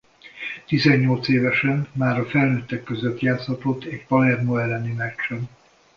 Tizennyolc évesen már a felnőttek között játszhatott egy Palermo elleni meccsen.